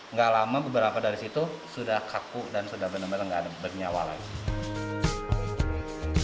nggak lama beberapa dari situ sudah kaku dan sudah benar benar nggak ada bernyawa lagi